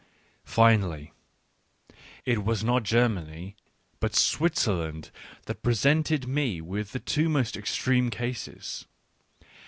— Finally, it was not Germany, but Switzerland that presented me with the two most extreme cases.